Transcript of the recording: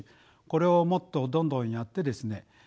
これをもっとどんどんやってですね